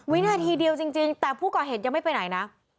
วินาทีเดียวจริงแต่ผู้ก่อเหตุยังไม่ไปไหนนะ